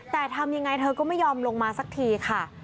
แต่ทำยังไงเธอก็ไม่ยอมลงมาสักทีค่ะ